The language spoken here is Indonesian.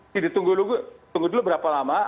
jadi tunggu dulu berapa lama apa